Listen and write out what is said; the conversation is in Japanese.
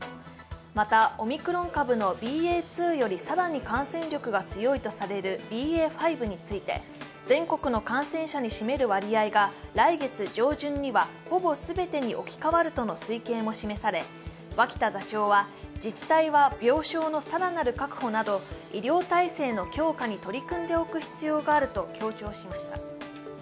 また、オミクロン株のＢＡ．２より更に感染力が強いとされるＢＡ．５について全国の感染者に占める割合が来月上旬にはほぼ全てに置き換わるとの推計も示され脇田座長は自治体は病床の更なる確保など医療体制の強化に取り組んでおく必要があると強調しました。